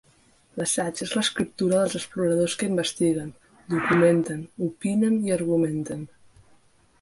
L'assaig és l'escriptura dels exploradors que investiguen, documenten, opinen i argumenten.